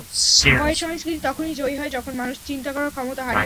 ভয়ের সংস্কৃতি তখনই জয়ী হয়, যখন মানুষ চিন্তা করার ক্ষমতা হারিয়ে ফেলে।